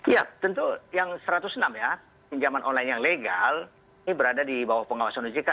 ya tentu yang satu ratus enam ya pinjaman online yang legal ini berada di bawah pengawasan ojk